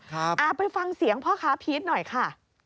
เอาไปฟังเสียงพ่อค้าพีชหน่อยค่ะ